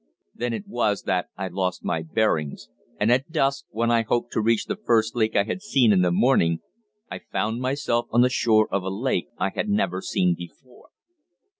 Then it was that I lost my bearings, and at dusk, when I hoped to reach the first lake I had seen in the morning, I found myself on the shore of a lake I had never seen before.